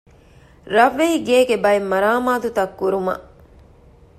ރަށްވެހިގޭގެ ބައެއް މަރާމާތުތައް ކުރުމަށް